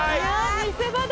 見せ場だ。